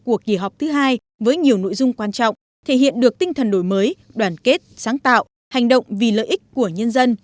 cuộc kỳ họp thứ hai với nhiều nội dung quan trọng thể hiện được tinh thần đổi mới đoàn kết sáng tạo hành động vì lợi ích của nhân dân